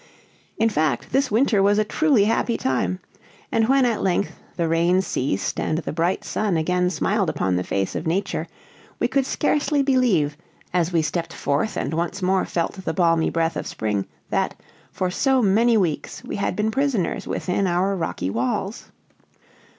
In fact this winter was a truly happy time, and when at length the rain ceased and the bright sun again smiled upon the face of nature, we could scarcely believe, as we stepped forth and once more felt the balmy breath of spring, that, for so many weeks, we had been prisoners within our rocky walls.